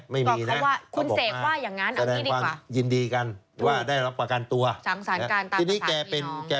ไม่ได้บอกมาจะเอกันบางดุบางอื่นใช่ไหมไม่มีนะ